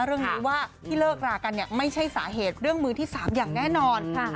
เรื่องนี้ว่าที่เลิกรากันเนี่ยไม่ใช่สาเหตุเรื่องมือที่๓อย่างแน่นอน